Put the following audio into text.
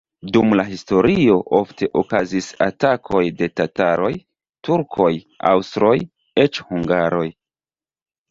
Dum la historio ofte okazis atakoj de tataroj, turkoj, aŭstroj, eĉ hungaroj.